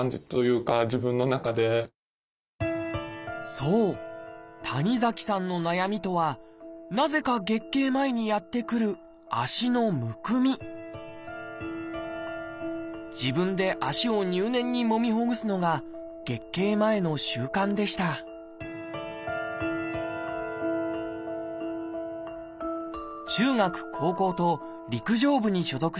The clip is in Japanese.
そう谷崎さんの悩みとはなぜか月経前にやってくる自分で足を入念にもみほぐすのが月経前の習慣でした中学高校と陸上部に所属していた谷崎さん。